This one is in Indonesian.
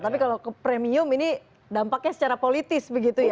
tapi kalau ke premium ini dampaknya secara politis begitu ya